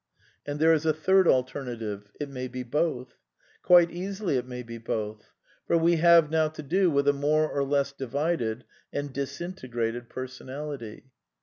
And there is a third alternative — jt may be both. / Quite easily it may be both ; for we have now to do with a I more or less divided and disintegrated personality.